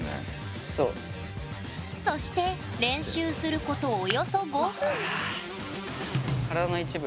そして練習することおよそ５分体の一部！